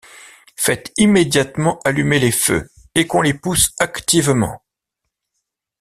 Faites immédiatement allumer les feux, et qu’on les pousse activement.